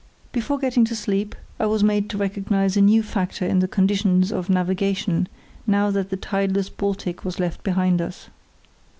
Before getting to sleep I was made to recognise a new factor in the conditions of navigation, now that the tideless Baltic was left behind us.